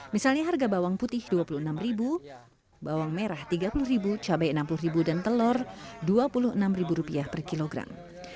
misalnya harga bawang putih rp dua puluh enam bawang merah rp tiga puluh cabai rp enam puluh dan telur rp dua puluh enam per kilogram